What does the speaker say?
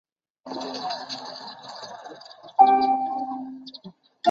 格罗索山油田是一处位于南亚平宁地区的油田。